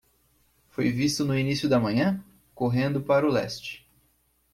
Foi visto no início da manhã? correndo para o leste.